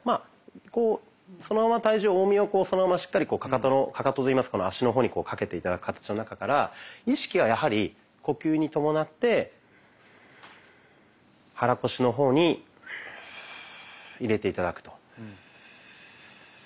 そのまま体重重みをそのまましっかり足の方にかけて頂く形の中から意識はやはり呼吸に伴って肚腰の方に入れて頂くと。